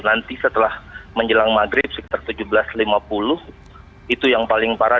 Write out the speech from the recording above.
nanti setelah menjelang maghrib sekitar tujuh belas lima puluh itu yang paling parah